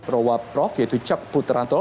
rowa prof yaitu cap puteranto